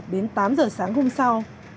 đến tám h sáng hôm sau